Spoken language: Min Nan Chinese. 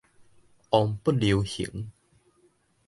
王不留行